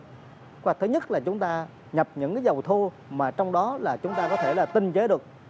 kế hoạch thứ nhất là chúng ta nhập những dầu thô mà trong đó là chúng ta có thể là tinh chế được